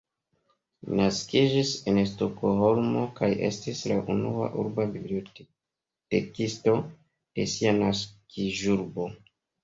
Li naskiĝis en Stokholmo kaj estis la unua urba bibliotekisto de sia naskiĝurbo.